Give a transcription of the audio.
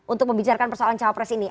untuk membicarakan persoalan cawapres ini